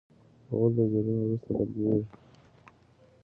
غول د زیږون وروسته بدلېږي.